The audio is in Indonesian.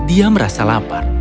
dia merasa lelah